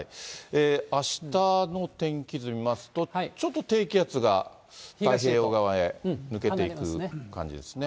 あしたの天気図見ますと、ちょっと低気圧が太平洋側へ抜けていく感じですね。